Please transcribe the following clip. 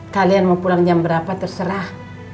kalian mau pulang jam berapa terserah